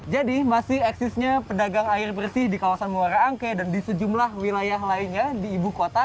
jadi masih eksisnya pedagang air bersih di kawasan muara angke dan di sejumlah wilayah lainnya di ibu kota